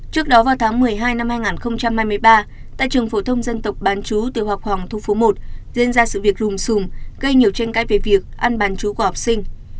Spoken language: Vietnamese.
trước đó vào tháng một mươi hai năm hai nghìn hai mươi ba tại trường phổ thông dân tộc ban chú tiểu học hoàng thu phú i diễn ra sự việc rùm xùm gây nhiều tranh cãi về việc ăn ban chú của học sinh